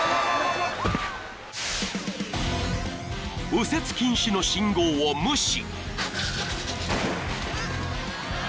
［右折禁止の信号を無視］